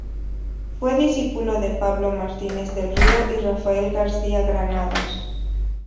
Fue discípulo de Pablo Martínez del Río y Rafael García Granados.